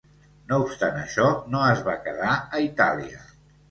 No obstant això, no es va quedar a Itàlia.